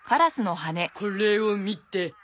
これを見て。